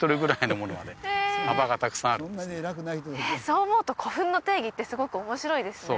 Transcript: そう思うと古墳の定義ってすごく面白いですね